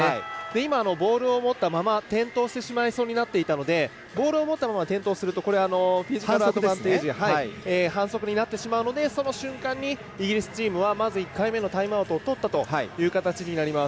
今、ボールを持ったまま転倒してしまいそうになっていたのでボールを持ったまま転倒すると反則になってしまうのでその瞬間にイギリスチームはまず１回目のタイムアウトをとったという形になります。